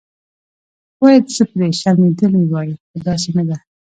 باید زه پرې شرمېدلې وای خو داسې نه ده.